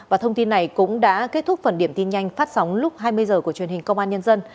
và thông tin này cũng đã kết thúc phần điểm tin nhanh phát sóng lúc hai mươi h của truyền hình công an nhân dân